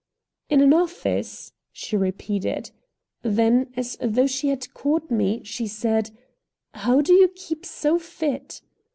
"In an office?" she repeated. Then, as though she had caught me, she said: "How do you keep so fit?"